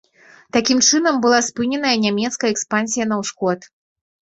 Такім чынам была спыненая нямецкая экспансія на ўсход.